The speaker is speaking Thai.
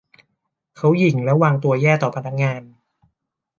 เขาหยิ่งและวางตัวแย่ต่อพนักงาน